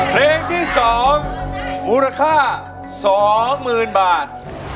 เพลงที่สองมูลค่าสองหมื่นบาท